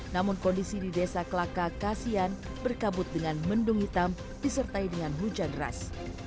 namun kondisi di desa kelaka kasihan berkabut dengan mendung hitam disertai dengan hujan deras